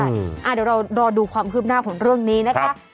เดี๋ยวเรารอดูความคืบหน้าของเรื่องนี้นะคะ